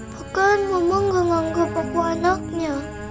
bukan mama gak nganggep aku anaknya